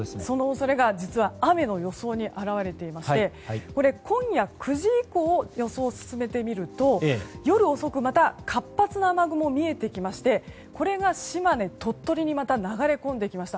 それが雨の予想に表れていまして今夜９時以降予想を進めてみると夜遅くまた活発な雨雲が見えてきましてこれが島根、鳥取にまた流れ込んできました。